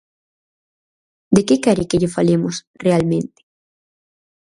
¿De que quere que lle falemos realmente?